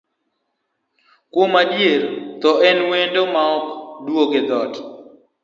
Kuom adier, thoo en wendo maok duong' dhoot.